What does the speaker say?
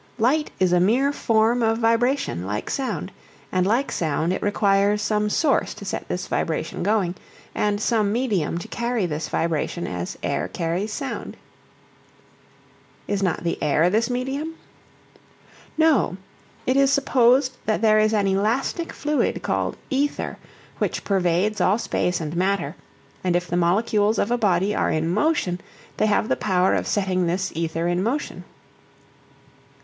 Light is a mere form of vibration like sound, and like sound it requires some source to set this vibration going, and some medium to carry this vibration as air carries sound. Is not the air this medium? No, it is supposed that there is an elastic fluid called "ether" which pervades all space and matter, and if the molecules of a body are in motion they have the power of setting this ether in motion.